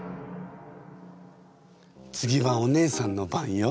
次はお姉さんの番よ。